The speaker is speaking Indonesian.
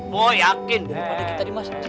bu yakin daripada kita dimasukin